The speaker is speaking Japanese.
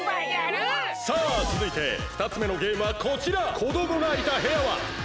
さあつづいてふたつめのゲームはこちら。